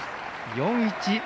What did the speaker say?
４−１。